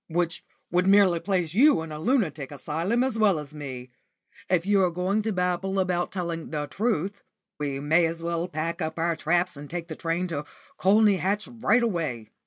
"Which would merely place you in a lunatic asylum as well as me. If you are going to babble about telling the truth we may as well pack up our traps and take the train to Colney Hatch right away."